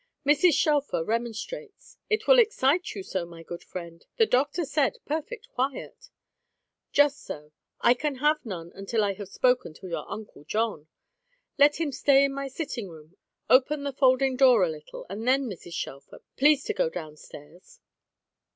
Mrs. Shelfer remonstrates. "It will excite you so, my good friend. The doctor said perfect quiet." "Just so. I can have none, until I have spoken to your Uncle John. Let him stay in my sitting room, open the folding door a little, and then, Mrs. Shelfer, please to go down stairs."